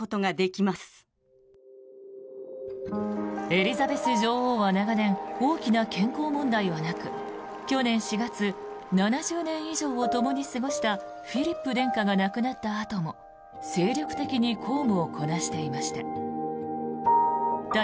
エリザベス女王は長年大きな健康問題はなく去年４月、７０年以上をともに過ごしたフィリップ殿下が亡くなったあとも精力的に公務をこなしていました。